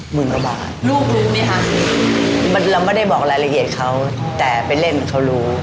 หมื่นกว่าบาทลูกรู้ไหมคะมันเราไม่ได้บอกรายละเอียดเขาแต่ไปเล่นเขารู้